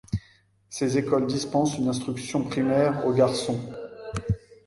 Ces écoles dispensent une instruction primaire aux garçons.